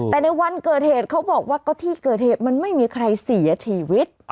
แต่ในวันเกิดเหตุเขาบอกว่าก็ที่เกิดเหตุมันไม่มีใครเสียชีวิต